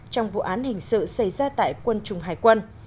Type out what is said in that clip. trong vụ án hình sự xảy ra tại quân chủng hải quân